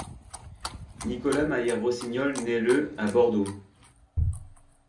Nicolas Mayer-Rossignol naît le à Bordeaux.